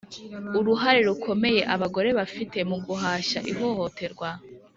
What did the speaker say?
uruhare rukomeye Abagore bafite mu guhashya ihohoterwa